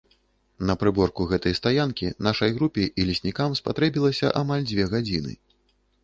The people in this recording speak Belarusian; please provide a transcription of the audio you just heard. На прыборку гэтай стаянкі нашай групе і леснікам спатрэбілася амаль дзве гадзіны.